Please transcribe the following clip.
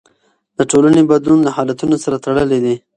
د ټولنې بدلون له حالتونو سره تړلی دی.